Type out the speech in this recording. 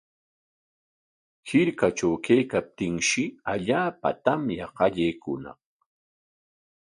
Hirkatraw kaykaptinshi allaapa tamya qallaykuñaq.